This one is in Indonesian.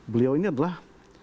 beliau ini adalah